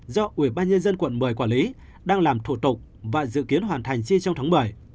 do ủy ban nhân dân quận một mươi quản lý đang làm thủ tục và dự kiến hoàn thành chi trong tháng bảy